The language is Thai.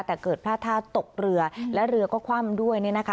แต่เกิดพลาดท่าตกเรือและเรือก็คว่ำด้วยเนี่ยนะคะ